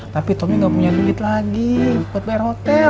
tapi tommy gak punya duit lagi buat bayar hotel